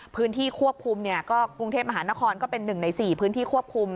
พื้นที่ควบคุมก็กรุงเทพมหานครก็เป็น๑ใน๔พื้นที่ควบคุม